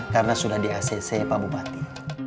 karena sudah di acc pak bupati